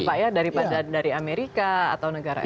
lebih dekat juga lagi pak ya daripada dari amerika atau negara lain